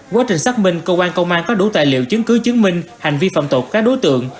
quá trình xác minh công an công an có đủ tài liệu chứng cứ chứng minh hành vi phạm tột các đối tượng